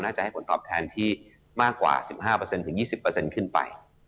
จะให้ผลตอบแทนที่มากกว่า๑๕๒๐ขึ้นไป